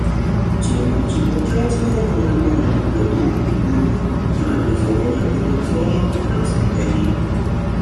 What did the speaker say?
Темой Тихоокеанского форума в этом году было "Преобразование потенциала в процветание".